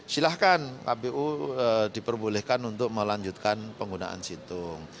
silahkan kpu diperbolehkan untuk melanjutkan penggunaan situng